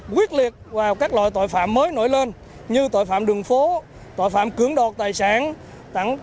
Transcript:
quyết liệt vào các loại tội phạm mới nổi lên như tội phạm đường phố tội phạm cưỡng đoạt tài sản